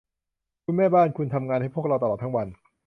คุณแม่บ้าน คุณทำงานให้พวกเราตลอดทั้งวัน